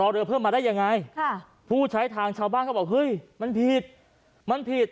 เขาเพิ่มมาได้ยังไงผู้ใช้ทางชาวบ้านเขาบอกเฮ้ยมันผิด